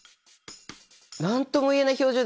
何とも言えない表情ですよ。